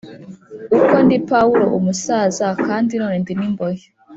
Uko ndi pawulo umusaza kandi none ndi n imbohe